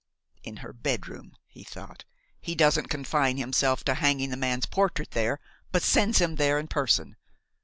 "In her bedroom!" he thought. "He doesn't confine himself to hanging the man's portrait there, but sends him there in person.